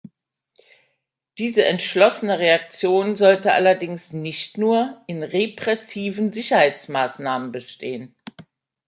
Diese entschlossene Reaktion sollte allerdings nicht nur in repressiven Sicherheitsmaßnahmen bestehen.